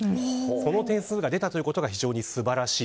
この点数が出たことが非常に素晴らしい。